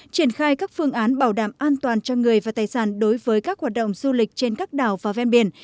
triển khai các phương án bảo đảm an toàn cho người và tài sản đối với các hoạt động du lịch trên các đảo và ven biển